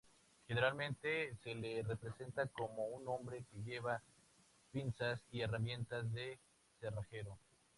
Generalmente se le representa como un hombre que lleva pinzas y herramientas de cerrajero